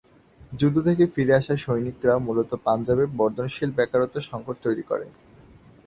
যুদ্ধ থেকে ফিরে আসা সৈনিকরা মূলত পাঞ্জাবে বর্ধনশীল বেকারত্ব সংকট তৈরি করে।